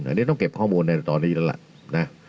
อันนี้ต้องเก็บข้อมูลตอนนี้ก็แหละ